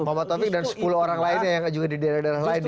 pak muhammad taufik dan sepuluh orang lainnya yang juga di daerah daerah lainnya